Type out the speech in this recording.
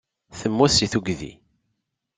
Temmut seg tuggdi.